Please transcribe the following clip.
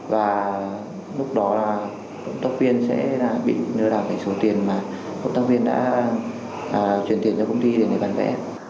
và lúc đó là cộng tác viên sẽ bị lừa đảo cái số tiền mà công tác viên đã chuyển tiền cho công ty để bán vẽ